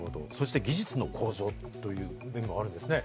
技術の向上という面もあるんですね。